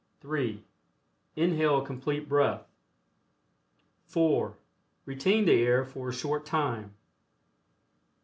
(3) Inhale a Complete Breath. (4) Retain the air for a short time.